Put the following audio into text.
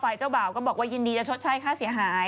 เจ้าบ่าวก็บอกว่ายินดีจะชดใช้ค่าเสียหาย